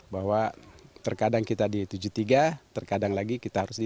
bahwa terkadang kita di tujuh puluh tiga terkadang lagi kita harus di